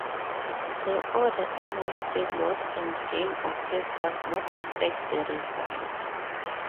The order in which the loss and gain occurs does not affect the result.